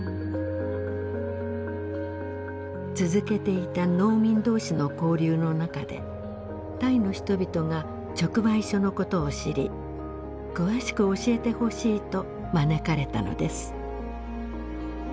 続けていた農民同士の交流の中でタイの人々が直売所のことを知り詳しく教えてほしいと招かれたのです。